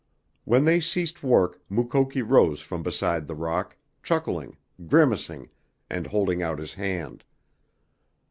When they ceased work Mukoki rose from beside the rock, chuckling, grimacing, and holding out his hand.